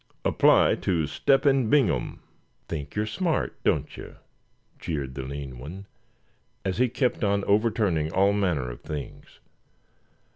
Apply to Step hen Bingham." "Think you're smart, don't you?" jeered the lean one, as he kept on overturning all manner of things.